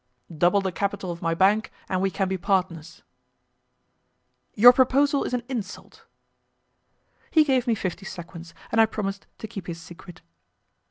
"Double the capital of my bank, and we can be partners." "Your proposal is an insult." He gave me fifty sequins, and I promised to keep his secret.